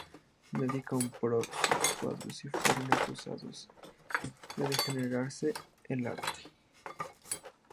Nadie compró sus cuadros y fueron acusados de degenerar el arte".